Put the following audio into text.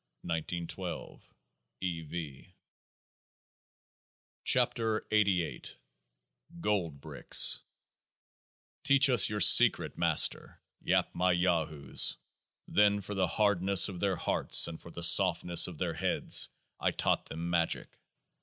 E. V. 105 KEOAAH EM GOLD BRICKS Teach us Your secret, Master ! yap my Yahoos. Then for the hardness of their hearts, and for the softness of their heads, I taught them Magick.